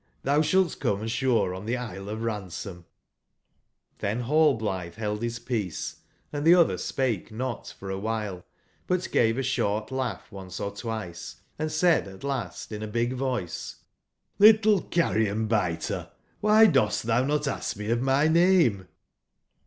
thou sbalt come asbore on tbe Isle of Ransom '^j^'Chcn Rallblitbe beld bis peace, and tbe otbcr spahe not for a wbile, but gave a short laugh once or twice; & said at last in a big voice: ''Little Carrion/biter, why dost thou not ash me of my name?"